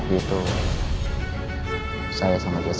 jika kamu menangis saya akan mempelajarinya